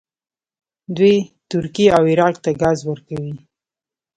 دوی ترکیې او عراق ته ګاز ورکوي.